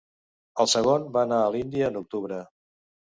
El segon va anar a l'Índia en Octubre.